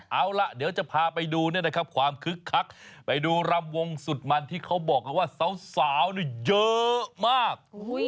เอาล่ะเดี๋ยวจะพาไปดูความคึกคักไปดูรำวงสุดมันที่เค้าบอกว่าสาวเนี่ยเยอะมาก